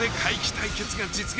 対決が実現。